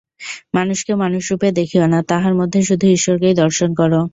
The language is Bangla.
মানুষকে মানুষরূপে দেখিও না, তাহার মধ্যে শুধু ঈশ্বরকেই দর্শন কর।